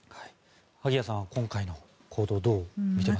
萩谷さんは今回の行動をどう見ていますか。